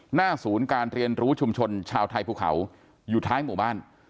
หน้าศูนย์การเรียนรู้ชุมชนชาวไทยภูเขาอยู่ท้ายหมู่บ้าน